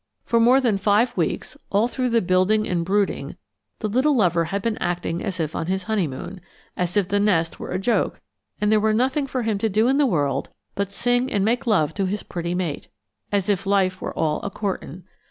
For more than five weeks, all through the building and brooding, the little lover had been acting as if on his honeymoon as if the nest were a joke and there were nothing for him to do in the world but sing and make love to his pretty mate as if life were all 'a courtin'.'